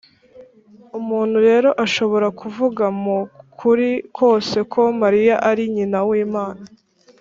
umuntu rero ashobora kuvuga mu kuri kose ko mariya ari nyina w’imana